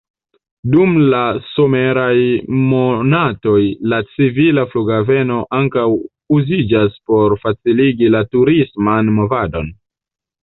Dum la someraj monatoj la civila flughaveno ankaŭ uziĝas por faciligi la turisman movadon.